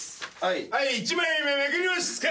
はい１枚目めくりますか！